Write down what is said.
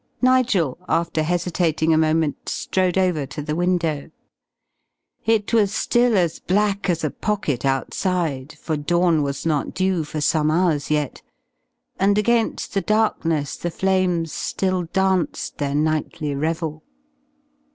Nigel, after hesitating a moment, strode over to the window. It was still as black as a pocket outside, for dawn was not due for some hours yet, and against the darkness the flames still danced their nightly revel.